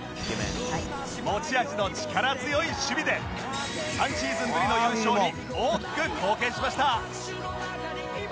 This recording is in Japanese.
持ち味の力強い守備で３シーズンぶりの優勝に大きく貢献しました